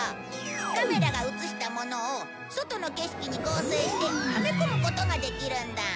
カメラが映したものを外の景色に合成してはめ込むことができるんだ。